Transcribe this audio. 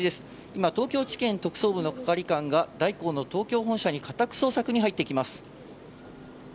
今、東京地検特捜部の係官が、大広の東京本社に家宅捜索に入っていきます。